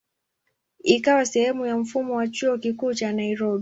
Ikawa sehemu ya mfumo wa Chuo Kikuu cha Nairobi.